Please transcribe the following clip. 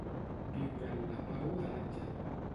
Viure en la pau de l'àngel.